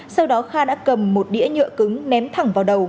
sau đó kha đã cầm một đĩa nhựa cứng ném thẳng vào đầu